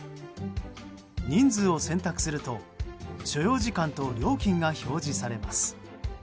人数を選択すると所要時間と料金が表示されます。